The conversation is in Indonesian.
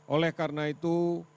oleh karena itu